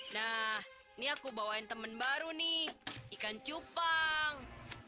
nah ini aku bawain temen baru nih ikan cupang